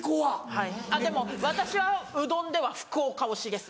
はいあっでも私はうどんでは福岡推しです。